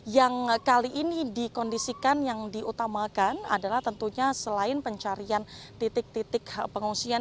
yang kali ini dikondisikan yang diutamakan adalah tentunya selain pencarian titik titik pengungsian